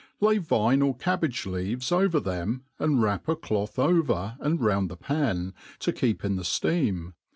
Lay vine or cabbage leaves over them, and irrap 7^ cfoth o^rer and round the pan, to keep in the fteam.